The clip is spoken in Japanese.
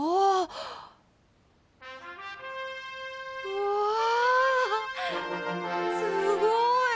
うわすごい！